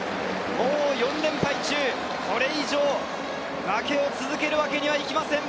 ４連敗中、これ以上、負けを続けるわけにはいけません。